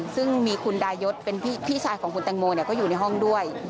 ซึ่งมีคุณดายศเป็นพี่ชายของคุณแตงโมก็อยู่ในห้องด้วย